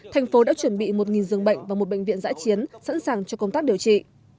thành phố đã chuẩn bị một giường bệnh và một bệnh viện giãi chiến sẵn sàng cho công tác điều trị